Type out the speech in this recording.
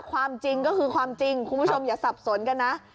ความจริงก็คือความจริงคุณผู้ชมอย่าสับสนกันนะ